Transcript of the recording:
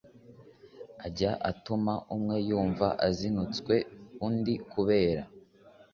ajya atuma umwe yumva azinutswe undi kubera